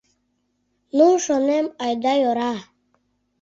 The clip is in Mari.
Ну, шонем, айда йӧра.